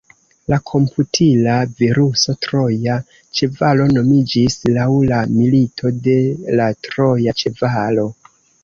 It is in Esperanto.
La komputila viruso troja ĉevalo nomiĝis laŭ la mito de la troja ĉevalo.